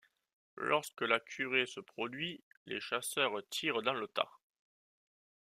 Lorsque la curée se produit, les chasseurs tirent dans le tas.